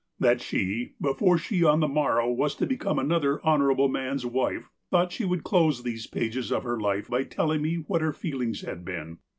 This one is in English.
That she, before she on the morrow was to become another honourable man's wife, thought she would close these pages of her life by telling me what her feelings had been.